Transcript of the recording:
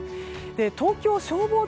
東京消防庁